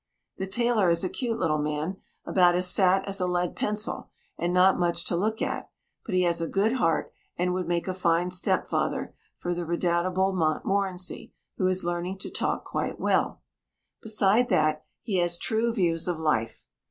The tailor is a cute little man, about as fat as a lead pencil, and not much to look at, but he has a good heart and would make a fine step father for the redoubtable Montmorency who is learning to talk quite well. Beside that, he has true views of life.